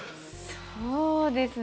そうですね。